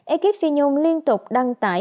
ekip phi nhung liên tục đăng tải